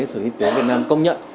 sở y tế việt nam công nhận